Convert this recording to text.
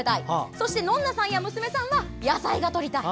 そして、ノンナさんや娘さんは野菜をとりたい。